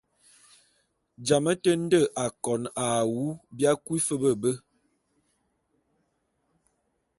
A jamé te nde akon a awu bia kui fe be be.